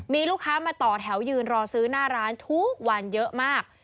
มีลูกค้ามาต่อแถวยืนรอซื้อหน้าร้านทุกวันเยอะมาก